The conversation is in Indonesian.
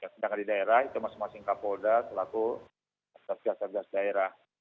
sedangkan di daerah itu masing masing kapolda selaku satgas daerah